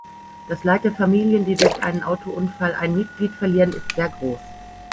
Das Leid der Familien, die durch einen Autounfall ein Mitglied verlieren, ist sehr groß.